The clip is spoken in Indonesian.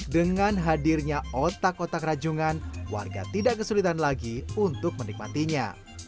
dengan hadirnya otak otak rajungan warga tidak kesulitan lagi untuk menikmatinya